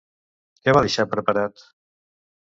Què va deixar preparat?